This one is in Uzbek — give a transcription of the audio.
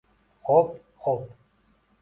Hop, hop.